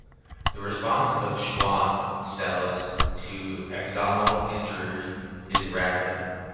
The response of Schwann cells to axonal injury is rapid.